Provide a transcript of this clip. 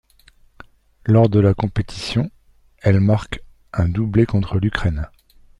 Lors de la compétition, elle marque un doublé contre l'Ukraine.